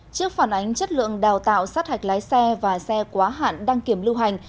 trước phản ánh chất lượng đào tạo sát hạch lái xe và xe quá hạn đăng kiểm lưu hành